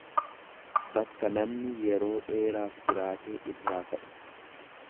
bakka namni yeroo dheeraaf jiraatee irraa ka'e.